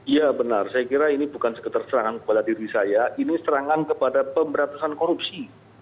ya benar saya kira ini bukan sekedar serangan kepada diri saya ini serangan kepada pemberantasan korupsi